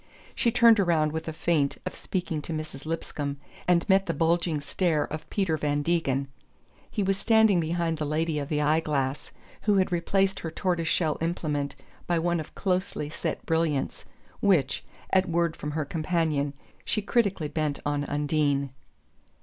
She turned around with a feint of speaking to Mrs. Lipscomb, and met the bulging stare of Peter Van Degen. He was standing behind the lady of the eye glass, who had replaced her tortoise shell implement by one of closely set brilliants, which, at word from her companion, she critically bent on Undine.